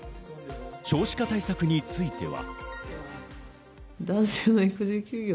少子化対策については。